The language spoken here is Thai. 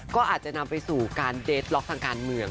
ก็อาจจะนำไปสู่การเดทล็อกทางการเมือง